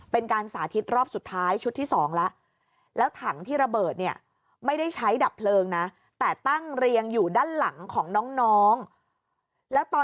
เป็นการสาธิตรอบสุดท้ายชุดที่๒แล้ว